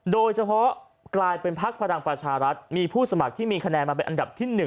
โดยเฉพาะกลายเป็นพักพลังประชารัฐมีผู้สมัครที่มีคะแนนมาเป็นอันดับที่๑